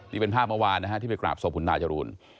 นี่เป็นภาพเมื่อวานนะฮะที่ไปกราบศพคุณตาจรูน